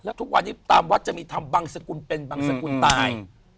แล้วทุกวันนี้ตามวัดจะมีทำบังสกุลเป็นบังสกุลตาย